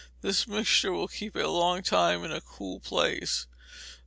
This mixture will keep a long time in a cool place.